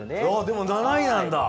でも７位なんだ。